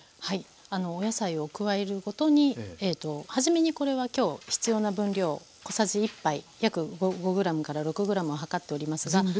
はいお野菜を加えるごとに初めにこれは今日必要な分量小さじ１杯約５ｇから６ｇを量っておりますが。